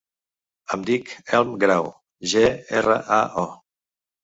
Em dic Elm Grao: ge, erra, a, o.